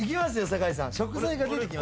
酒井さん。